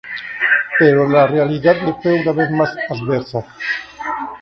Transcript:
Pero la realidad le fue una vez más adversa.